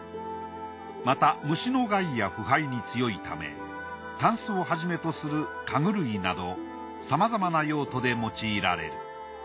また虫の害や腐敗に強いためタンスをはじめとする家具類などさまざまな用途で用いられる。